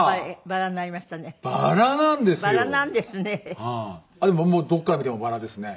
バラなんですね。